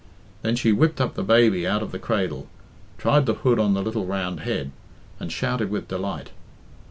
Then she whipped up the baby out of the cradle, tried the hood on the little round head, and shouted with delight.